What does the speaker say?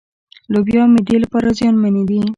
لوبيا معدې لپاره زيانمنې دي.